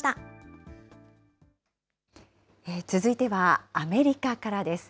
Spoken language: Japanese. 続いては、アメリカからです。